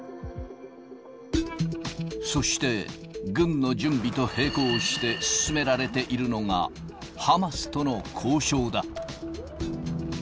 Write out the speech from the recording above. そして、軍の準備と並行して進められているのが、ハマスとの交渉だ。